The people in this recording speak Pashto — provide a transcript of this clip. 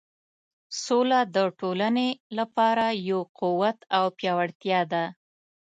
سوله د ټولنې لپاره یو قوت او پیاوړتیا ده.